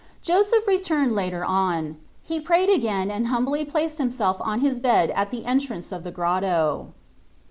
Joseph re turned later on : he prayed again and humbly placed himself on his bed at the entrance of the grotto.